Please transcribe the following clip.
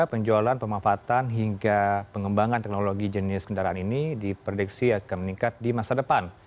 penjualan pemanfaatan hingga pengembangan teknologi jenis kendaraan ini diprediksi akan meningkat di masa depan